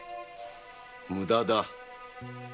無駄だ。